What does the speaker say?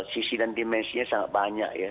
sisi dan dimensinya sangat banyak ya